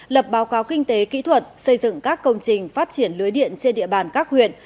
lập báo cáo kinh tế kỹ thuật xây dựng các công trình phát triển lưới điện trên địa bàn các huyện